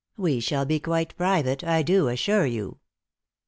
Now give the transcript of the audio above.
We shall be quite private, I do assure you."